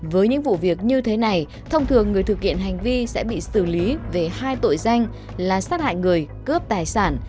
với những vụ việc như thế này thông thường người thực hiện hành vi sẽ bị xử lý về hai tội danh là sát hại người cướp tài sản